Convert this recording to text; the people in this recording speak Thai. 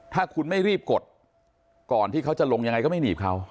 ถ้าคุณไม่รีบกดก่อนที่เขาจะลงยังไงก็ไม่หนีบเขา